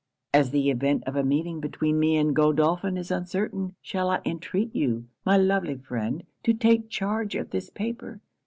As the event of a meeting between me and Godolphin is uncertain, shall I entreat you, my lovely friend, to take charge of this paper.